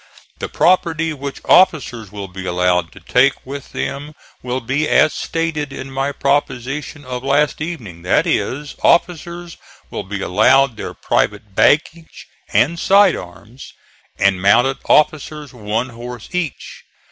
The property which officers will be allowed to take with them will be as stated in my proposition of last evening; that is, officers will be allowed their private baggage and side arms, and mounted officers one horse each.